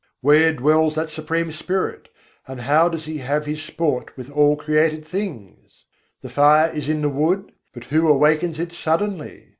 Where dwells that Supreme Spirit, and how does He have His sport with all created things? The fire is in the wood; but who awakens it suddenly?